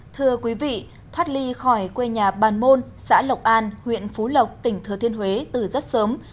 thưa quý vị thoát ly khỏi quê nhà bàn môn xã lộc an huyện phú lộc tỉnh thừa thiên huế từ rất sớm